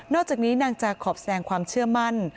อกจากนี้นางจาขอแสดงความเชื่อมั่น